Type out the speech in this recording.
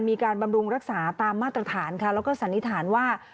บำรุงรักษาตามมาตรฐานค่ะแล้วก็สันนิษฐานว่า